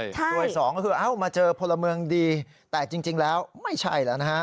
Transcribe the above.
โดยสองก็คือเอ้ามาเจอพลเมืองดีแต่จริงแล้วไม่ใช่แล้วนะฮะ